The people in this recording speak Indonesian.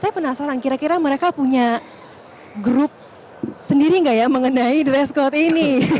saya penasaran kira kira mereka punya grup sendiri nggak ya mengenai dress code ini